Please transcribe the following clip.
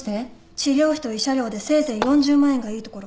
治療費と慰謝料でせいぜい４０万円がいいところ。